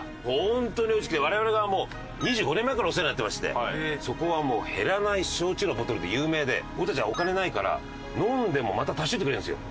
ホントに美味しくて我々がもう２５年前からお世話になってましてそこはもう減らない焼酎のボトルで有名で俺たちがお金ないから飲んでもまた足しといてくれるんですよ。